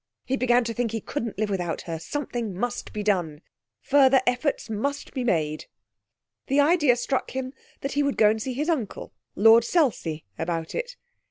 He began to think he couldn't live without her. Something must be done. Further efforts must be made. The idea struck him that he would go and see his uncle, Lord Selsey, about it.